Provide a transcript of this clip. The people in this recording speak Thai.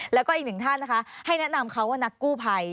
แล้วก็อีกหนึ่งท่านนะคะให้แนะนำเขาว่านักกู้ภัย